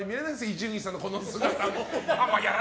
伊集院さんのこの姿。